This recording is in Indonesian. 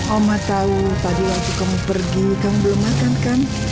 oma tahu tadi waktu kamu pergi kamu belum makan kan